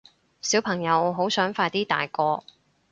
小朋友好想快啲大個